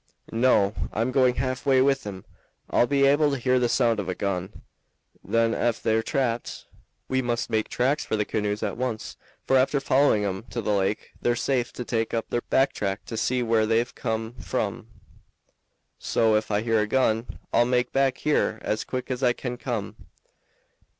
"No, I'm going halfway with 'em. I'll be able to hear the sound of a gun. Then, ef they're trapped, we must make tracks for the canoes at once, for after following 'em to the lake they're safe to take up their back track to see where they've come from; so, ef I hear a gun, I'll make back here as quick as I can come."